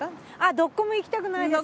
「どこも行きたくないです」。